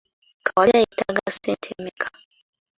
Kawalya yeetaaga ssente mmeka?